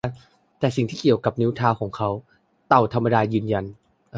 แต่สิ่งที่เกี่ยวกับนิ้วเท้าของเขา เต่าธรรมดายืนยัน